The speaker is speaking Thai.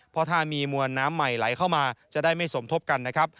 เพราะถ้ามีมวลน้ำใหม่ไหลเข้ามาจะได้ไม่สมทบกันนะครับ